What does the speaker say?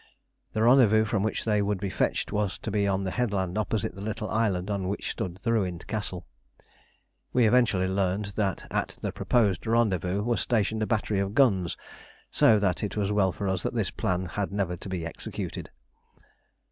The rendezvous from which they would be fetched was to be on the headland opposite the little island on which stood the ruined castle. We eventually learnt that at the proposed rendezvous was stationed a battery of guns, so that it was well for us that this plan had never to be executed.